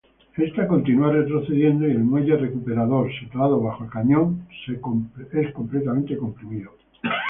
Esta continua retrocediendo y el muelle recuperador, situado bajo el cañón, es completamente comprimido.